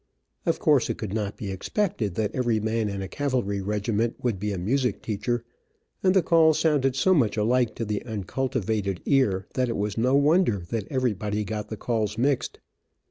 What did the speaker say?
Of course it could not be expected that every man in a cavalry regiment would be a music teacher, and the calls sounded so much alike to the uncultivated ear, that it was no wonder that everybody got the calls mixed.